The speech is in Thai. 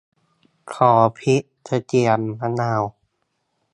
ขอพริก กระเทียม มะนาว